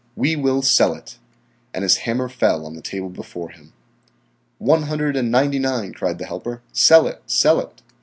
"We will sell it," and his hammer fell on the table before him. "One hundred and ninety nine," cried the helper. "Sell it! Sell it!"